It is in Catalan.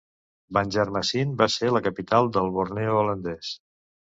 Banjarmasin va ser la capital del Borneo holandès.